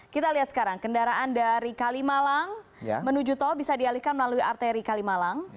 kita lihat sekarang kendaraan dari kalimalang menuju tol bisa dialihkan melalui arteri kalimalang